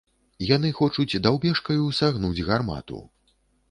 Яны хочуць даўбешкаю сагнуць гармату.